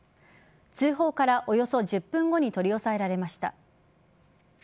通報からおよそ１０分後に取り押さえられました。